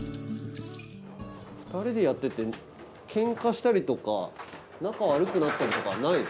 ２人でやっててケンカしたりとか仲悪くなったりとかはないの？